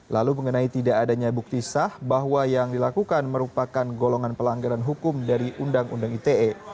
lalu mengenai tidak adanya bukti sah bahwa yang dilakukan merupakan golongan pelanggaran hukum dari undang undang ite